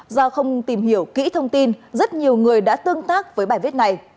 do không tìm hiểu kỹ thông tin rất nhiều người đã tương tác với bài viết này